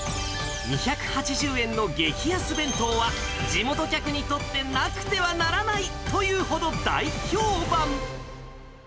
２８０円の激安弁当は、地元客にとってなくてはならないというほど大評判。